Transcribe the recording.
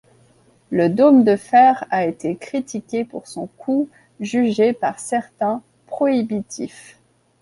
Le Dôme de fer a été critiqué pour son coût jugé par certains prohibitif.